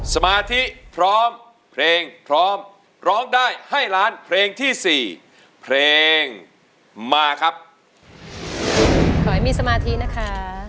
สมาธิพร้อมเพลงพร้อมร้องได้ให้ล้านเพลงที่สี่เพลงมาครับขอให้มีสมาธินะคะ